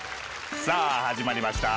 さあ始まりました。